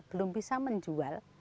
belum bisa menjual